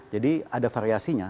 jadi ada variasinya